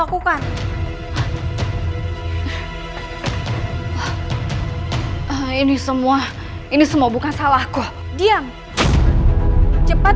aku harus segera berangkat